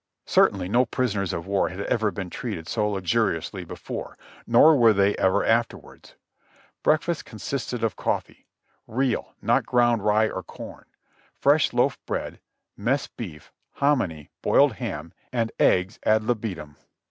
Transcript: Certainly no prisoners of war had ever been treated so luxuriously before, nor were they ever afterwards. Breakfast consisted of coffee, — real, not ground rye or corn, — fresh loaf bread, mess beef, hominy, broiled ham and eggs ad libitum.